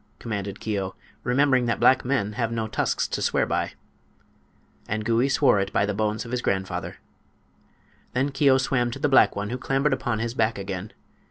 commanded Keo, remembering that black men have no tusks to swear by. And Gouie swore it by the bones of his grandfather. Then Keo swam to the black one, who clambered upon his back again.